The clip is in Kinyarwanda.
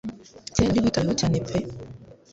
kera wari witaweho cyane pe.